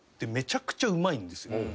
めちゃくちゃうまいんですよ。